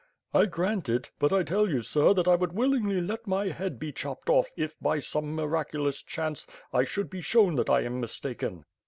"I grant it; but I tell you, sir, that I would willingly let my head be chopped off if, by some miraculous chance, I should be shown that I am mistaken."